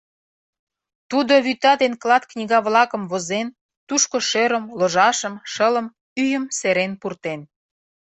Тудо вӱта ден клат книга-влакым возен, тушко шӧрым, ложашым, шылым, ӱйым серен пуртен.